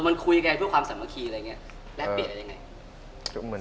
เออมันคุยกันเพื่อความสามัคคีอะไรอย่างเงี้ยแล้วเปลี่ยนอะไรอย่างเงี้ย